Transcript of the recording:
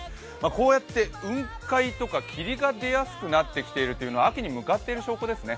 こうやって雲海とか霧が出やすくなっているというのは秋に向かっている証拠ですね。